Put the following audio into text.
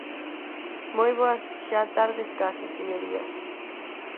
Moi boas xa tardes case, señorías.